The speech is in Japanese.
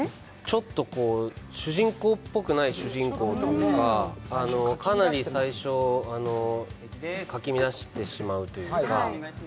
ちょっと主人公っぽくない主人公というか、かなり最初かき乱してしまうというか。